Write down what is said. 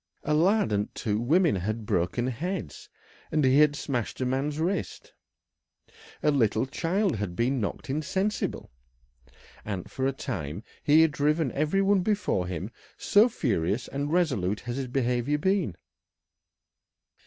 A lad and two women had broken heads, and he had smashed a man's wrist; a little child had been knocked insensible, and for a time he had driven every one before him, so furious and resolute had his behaviour been.